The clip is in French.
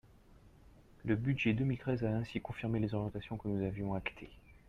Le budget deux mille treize a ainsi confirmé les orientations que nous avions actées.